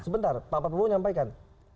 sebentar pak prabowo menyampaikan